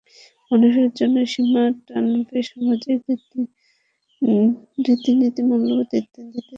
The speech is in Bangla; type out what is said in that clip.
মানুষের জন্য সীমা টানবে সামাজিক রীতিনীতি মূল্যবোধ ইত্যাদিতে তৈরি সামাজিক সংস্কৃতি।